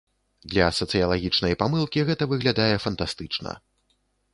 Для сацыялагічнай памылкі гэта выглядае фантастычна.